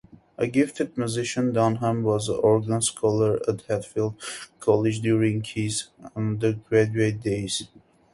A gifted musician, Dunham was Organ Scholar at Hatfield College during his undergraduate days.